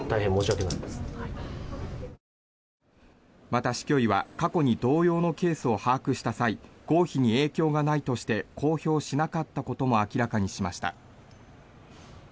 また、市教委は過去に同様のケースを把握した際合否に影響がないとして公表しなかったことも明らかにしました。